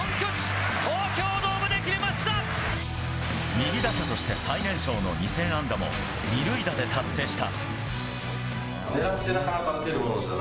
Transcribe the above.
右打者として、最年少の２０００安打も二塁打で達成した。